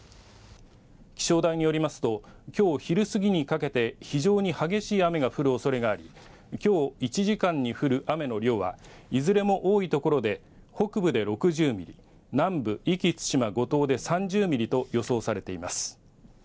気象台によりますときょう昼過ぎにかけて非常に激しい雨が降るおそれがありきょう１時間に降る雨の量はいずれも多いところで北部で６０ミリ南部、壱岐・対馬、五島で３０ミリと予想されています。